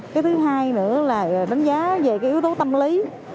cái thứ hai nữa là đánh giá về cái yếu tố tâm lý